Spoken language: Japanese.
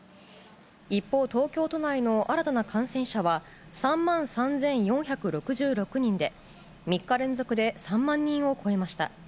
一方、東京都内の新たな感染者は３万３４６６人で、３日連続で３万人を超えました。